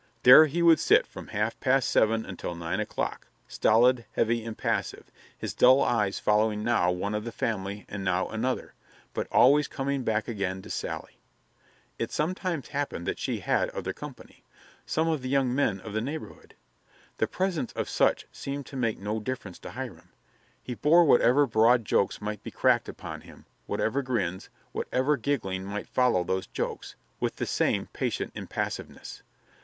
There he would sit from half past seven until nine o'clock, stolid, heavy, impassive, his dull eyes following now one of the family and now another, but always coming back again to Sally. It sometimes happened that she had other company some of the young men of the neighborhood. The presence of such seemed to make no difference to Hiram; he bore whatever broad jokes might be cracked upon him, whatever grins, whatever giggling might follow those jokes, with the same patient impassiveness.